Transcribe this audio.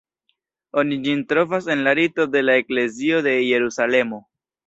Oni ĝin trovas en la Rito de la Eklezio de Jerusalemo.